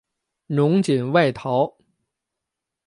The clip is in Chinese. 侬锦外逃。